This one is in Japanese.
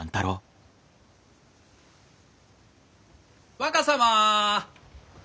若様！